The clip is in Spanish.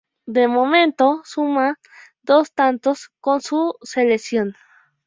De momento suma dos tantos con su selección.